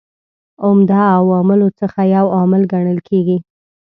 عمده عواملو څخه یو عامل کڼل کیږي.